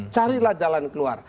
carilah jalan keluar